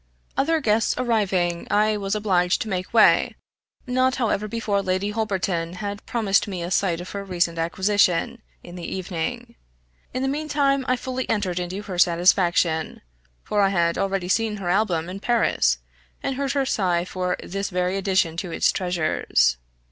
Other guests arriving I was obliged to make way, not however, before Lady Holberton had promised me a sight of her recent acquisition, in the evening. In the mean time I fully entered into her satisfaction, for I had already seen her album in Paris, and heard her sigh for this very addition to its treasures.